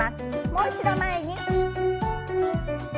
もう一度前に。